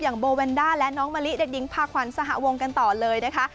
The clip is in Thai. โบแวนด้าและน้องมะลิเด็กหญิงพาขวัญสหวงกันต่อเลยนะคะ